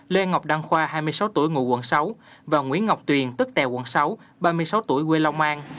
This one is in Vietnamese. lê ngọc đăng khoa hai mươi sáu tuổi ngụ quận sáu và nguyễn ngọc tuyền tức tè quận sáu ba mươi sáu tuổi quê long an